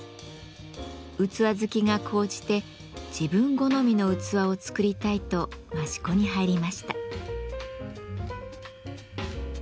器好きが高じて自分好みの器を作りたいと益子に入りました。